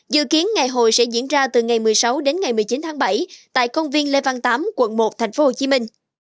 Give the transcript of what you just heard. dự kiến ngày hội sẽ diễn ra từ ngày một mươi sáu đến ngày một mươi chín tháng bảy tại công viên lê văn tám quận một tp hcm